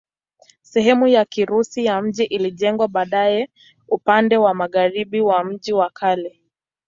Sehemu ya Kirusi ya mji ilijengwa baadaye upande wa magharibi wa mji wa kale.